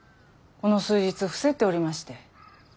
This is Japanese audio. この数日伏せっておりまして。